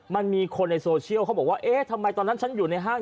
มันมีคนในโซเชียลเขาบอกว่าเอ๊ะทำไมตอนนั้นฉันอยู่ในห้าง